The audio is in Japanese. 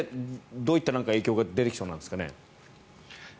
どういった影響が出てきそうなんですかね？